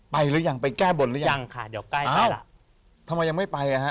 หรือยังไปแก้บนหรือยังค่ะเดี๋ยวใกล้อ้าวทำไมยังไม่ไปอ่ะฮะ